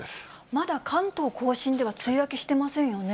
まだ関東甲信では梅雨明けしてませんよね。